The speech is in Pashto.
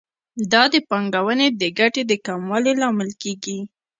دا د پانګونې د ګټې د کموالي لامل کیږي.